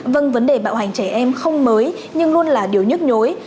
vâng vấn đề bạo hành trẻ em không mới nhưng luôn là điều nhức nhối